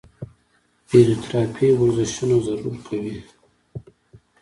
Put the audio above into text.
فزيوتراپي ورزشونه ضرور کوي -